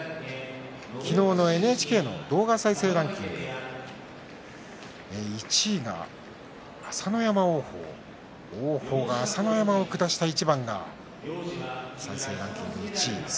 昨日のＮＨＫの動画再生ランキング１位が朝乃山、王鵬王鵬が朝乃山を下した一番が再生ランキング１位。